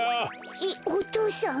えっお父さん？